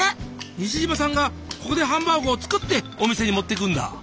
西島さんがここでハンバーグを作ってお店に持ってくんだ。